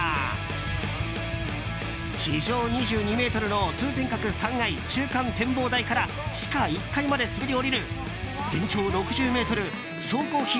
地上２２ｍの通天閣３階、中間展望台から地下１階まで滑り降りる全長６０ｍ総工費